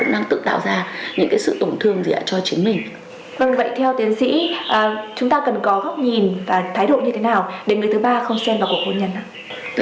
vâng vậy theo tiến sĩ chúng ta cần có góc nhìn và thái độ như thế nào để người thứ ba không xem vào cuộc hôn nhân ạ